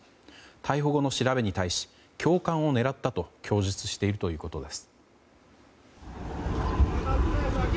逮捕後の調べに対し教官を狙ったと供述しているということです。